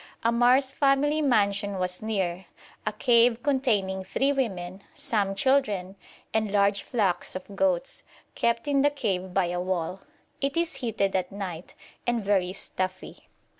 Ammar's family mansion was near: a cave containing three women, some children, and large flocks of goats, kept in the cave by a wall; it is heated at night, and very stuffy.